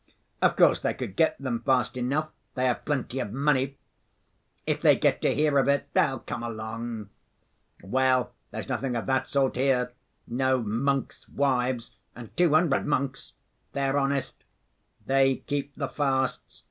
Of course they could get them fast enough, they have plenty of money. If they get to hear of it they'll come along. Well, there's nothing of that sort here, no 'monks' wives,' and two hundred monks. They're honest. They keep the fasts.